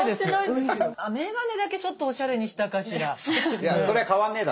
眼鏡だけちょっとおしゃれにしたかしら。